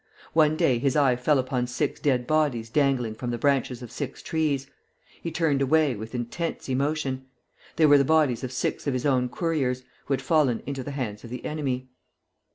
One day his eye fell upon six dead bodies dangling from the branches of six trees. He turned away, with intense emotion. They were the bodies of six of his own couriers, who had fallen into the hands of the enemy.